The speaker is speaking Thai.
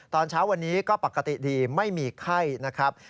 ตอนเช้าวันนี้ก็ปกติดีไม่มีไข้นะครับ